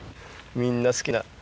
みんな好きな。